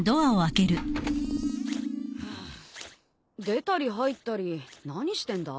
出たり入ったり何してんだ？